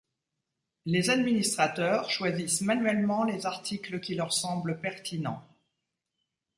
Les administrateurs choisissent manuellement les articles qui leur semblent pertinents.